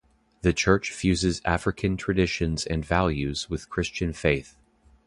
The church fuses African traditions and values with Christian faith.